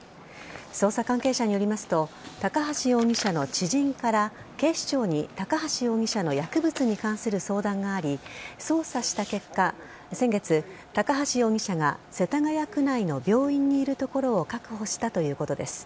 捜査関係者によりますと高橋容疑者の知人から警視庁に高橋容疑者の薬物に関する相談があり捜査した結果、先月高橋容疑者が世田谷区内の病院にいるところを確保したということです。